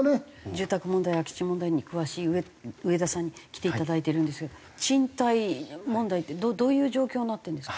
住宅問題空き地問題に詳しい上田さんに来ていただいてるんですが賃貸問題ってどういう状況になっているんですか？